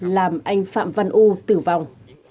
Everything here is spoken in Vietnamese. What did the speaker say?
làm anh phạm văn u tử vong